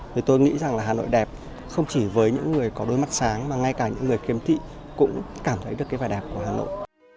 thì tôi nghĩ rằng là hà nội đẹp không chỉ với những người có đôi mắt sáng mà ngay cả những người khiếm thị cũng cảm thấy được cái vẻ đẹp của hà nội